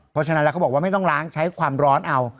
เพราะฉะนั้นแล้วเขาบอกว่าไม่ต้องล้างใช้ความร้อนเอา